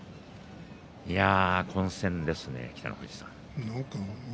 混戦ですね、北の富士さん。